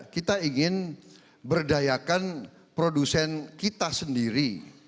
kita ingin berdayakan produsen kita sendiri